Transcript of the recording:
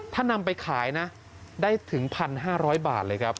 ถ้านำไปขายนะได้ถึงพันห้าร้อยบาทเลยครับ